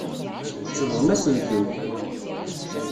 Tsebɣem-asen-tent.